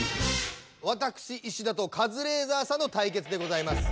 わたくし石田とカズレーザーさんのたいけつでございます。